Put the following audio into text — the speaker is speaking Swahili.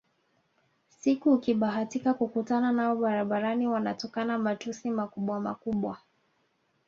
Siku ukibahatika kukutana nao barabarani wanatukana matusi makubwamakubwa